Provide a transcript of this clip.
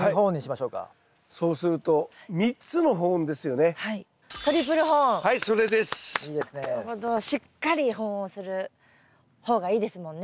しっかり保温する方がいいですもんね。